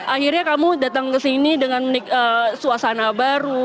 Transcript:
akhirnya kamu datang kesini dengan suasana baru